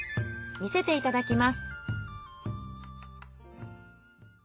見せていただきます。